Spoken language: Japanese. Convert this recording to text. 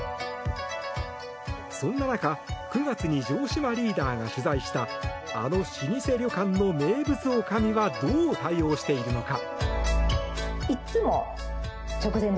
そんな中９月に城島リーダーが取材したあの老舗旅館の名物女将はどう対応しているのか。